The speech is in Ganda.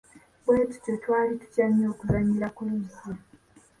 Bwetutyo twali tutya nnyo okuzannyira ku luzzi.